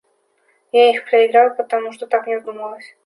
Я их проиграл, потому что так мне вздумалось.